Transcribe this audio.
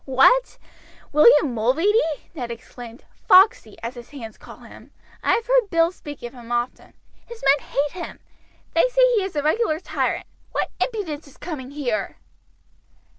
"What! William Mulready!" Ned exclaimed; "Foxey, as his hands call him. I have heard Bill speak of him often. His men hate him. They say he is a regular tyrant. What impudence his coming here!"